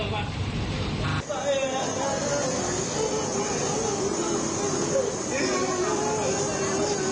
ไปนะ